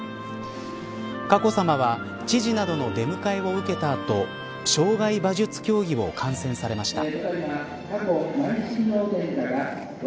佳子さまは知事などの出迎えを受けた後障害馬術競技を観戦されました。